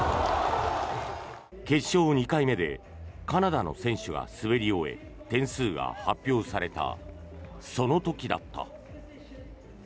決勝２回目でカナダの選手が滑り終え点数が発表されたその時だった。